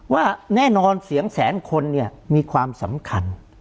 ว่าแน่นอนเสียงแสนคนเนี่ยมีความสำคัญ